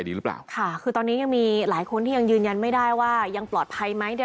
เราจะติดต่อกันไม่ได้แต่อย่างน้อยเอาเป็นว่าทราบว่าป้าปลอดภัยก็โล่งอกขึ้น